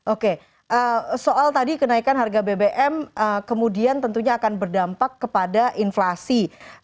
oke soal tadi kenaikan harga bbm kemudian tentunya akan berdampak kepada inflasi